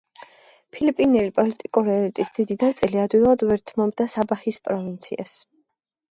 ფილიპინელი პოლიტიკური ელიტის დიდი ნაწილი ადვილად ვერ თმობდა საბაჰის პროვინციას.